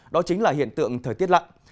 đó chính là hiện tượng thời tiết lặn